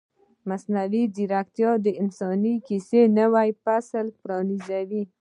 مصنوعي ځیرکتیا د انساني کیسې نوی فصل پرانیزي.